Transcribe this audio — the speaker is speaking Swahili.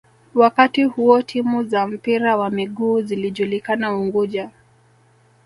Wakati huo timu za mpira wa miguu zilijulikana Unguja